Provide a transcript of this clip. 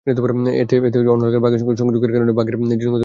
এতে অন্য এলাকার বাঘের সঙ্গে সংযোগের কারণে বাঘের জিনগত প্রকরণ বাড়ে।